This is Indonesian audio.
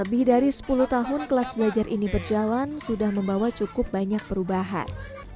lebih dari sepuluh tahun kelas belajar ini berjalan sudah membawa cukup banyak perubahan